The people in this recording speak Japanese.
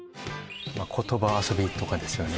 言葉遊びとかですよね